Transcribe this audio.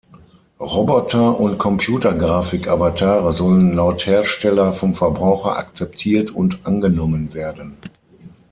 Roboter und Computergrafik-Avatare sollen laut Hersteller vom Verbraucher akzeptiert und angenommen werden.